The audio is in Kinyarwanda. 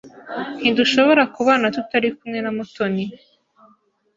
Ntidushobora kubana tutari kumwe na Mutoni.